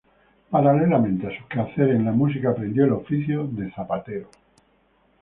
Paralelamente a sus quehaceres en la música, aprendió el oficio de zapatero.